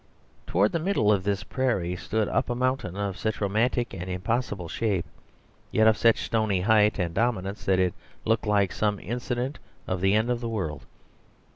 Toward the middle of this prairie stood up a mountain of such romantic and impossible shape, yet of such stony height and dominance, that it looked like some incident of the end of the world.